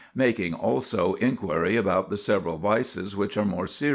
" making also inquiry about the several vices which are more serious in man.